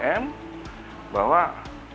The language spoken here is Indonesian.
kami juga sudah berkomunikasi dengan assdm